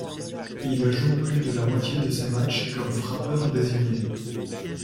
Il joue plus de la moitié de ses matchs comme frappeur désigné.